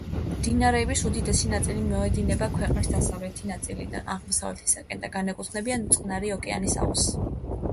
მდინარეების უდიდესი ნაწილი მიედინება ქვეყნის დასავლეთ ნაწილიდან აღმოსავლეთისკენ და განეკუთვნებიან წყნარი ოკეანის აუზს.